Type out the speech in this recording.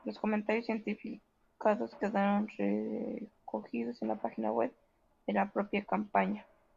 Los comentarios certificados quedan recogidos en la página web de la propia campaña.